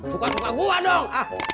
buka buka gue dong